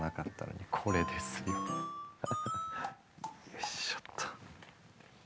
よいしょっと。